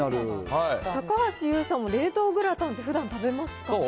高橋ユウさんは冷凍グラタンってふだん食べますか。